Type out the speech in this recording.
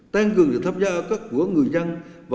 tên cường được tham gia các của người dân